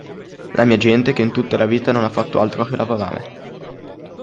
La mia gente che in tutta la vita non ha fatto altro che lavorare.”